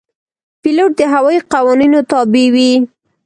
پیلوټ د هوايي قوانینو تابع وي.